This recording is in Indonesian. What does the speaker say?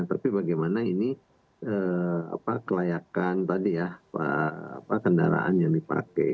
tapi bagaimana ini kelayakan tadi ya kendaraan yang dipakai